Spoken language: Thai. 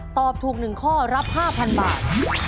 ตอบถูก๑ข้อรับ๕๐๐๐บาท